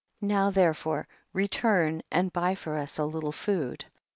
now therefore re turn and buy for us a little food.